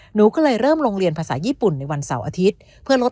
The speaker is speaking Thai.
หนูก็เลยเริ่มโรงเรียนภาษาญี่ปุ่นในวันเสาร์อาทิตย์เพื่อลด